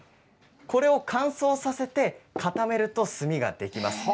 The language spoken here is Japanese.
これを乾燥させて固めると墨ができます。